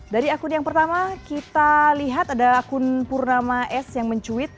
dari akun yang pertama kita lihat ada akun purnama s yang mencuit